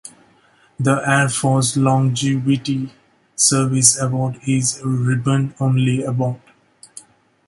The Air Force Longevity Service Award is a ribbon only award.